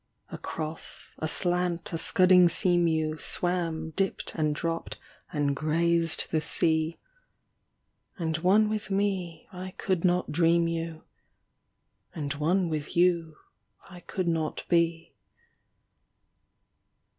Across, aslant, a scudding sea mew Swam, dipped, and dropped, and grazed the sea : And one with me I could not dream you ; And one with you I could not be.